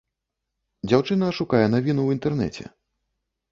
Дзяўчына шукае навіну ў інтэрнэце.